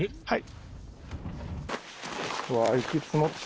はい。